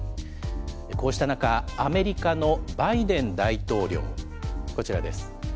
こうした中、アメリカのバイデン大統領、こちらです。